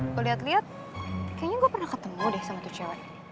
gue liat liat kayaknya gue pernah ketemu deh sama tuh cewek